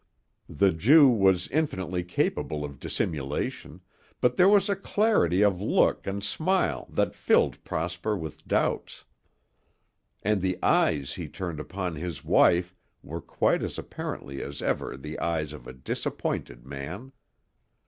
The Jew was infinitely capable of dissimulation, but there was a clarity of look and smile that filled Prosper with doubts. And the eyes he turned upon his wife were quite as apparently as ever the eyes of a disappointed man.